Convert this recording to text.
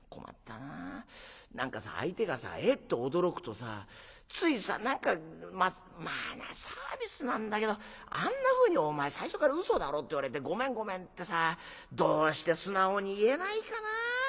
何かさ相手がさえっと驚くとさついさ何かまあサービスなんだけどあんなふうにお前最初から『嘘だろ』って言われて『ごめんごめん』ってさどうして素直に言えないかな。